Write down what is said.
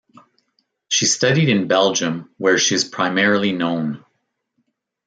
She studied in Belgium, where she is primarily known.